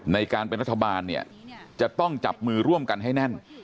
ในการเป็นรัฐบาลเนี่ยจะต้องจับมือร่วมกันให้แน่น